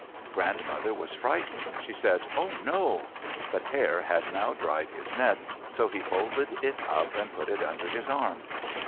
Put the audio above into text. Grandmother was frightened. She said, "Oh, no!" But Hare had now dried his net, so he folded it up and put it under his arm.